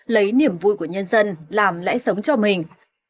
lấy niềm vui của nhân dân làm lẽ sống cho mình